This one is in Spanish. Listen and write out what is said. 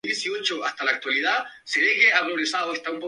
Ha sido presentado en numerosas publicaciones y exposiciones.